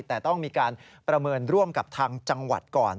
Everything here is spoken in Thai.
แต่ต้องมีการประเมินร่วมกับทางจังหวัดก่อน